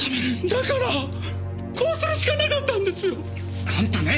だからこうするしかなかったんですよ！あんたね！